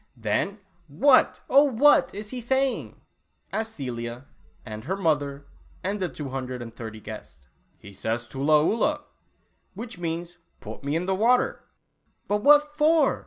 "Then what, oh what, is he saying?" asked Celia, and her mother, and the two hundred and thirty guests. " He says 'tula oolah,' which means '//// me in the water' " But what for